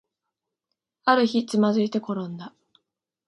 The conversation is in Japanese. ある日、つまずいてころんだ